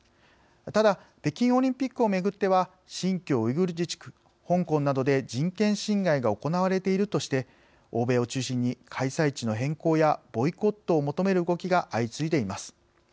ただ、北京オリンピックをめぐっては新疆ウイグル自治区、香港などで人権侵害が行われているとして欧米を中心に開催地の変更やボイコットを求める動きが相次いでいます。